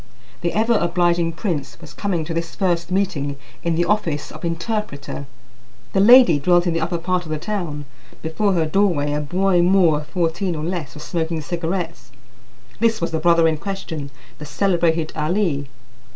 The ever obliging prince was coming to this first meeting in the office of interpreter. The lady dwelt in the upper part of the town. Before her doorway a boy Moor of fourteen or less was smoking cigarettes; this was the brother in question, the celebrated Ali.